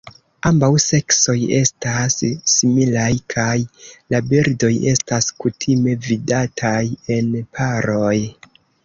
Ambaŭ seksoj estas similaj kaj la birdoj estas kutime vidataj en paroj.